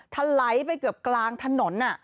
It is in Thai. ทะไหลไปเกือบกลางถนน